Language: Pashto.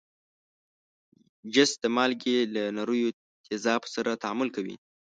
جست د مالګې له نریو تیزابو سره تعامل کوي.